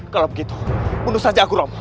kalau begitu bunuh saja aku